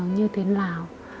như thế nào